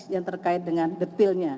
yang terkait dengan detailnya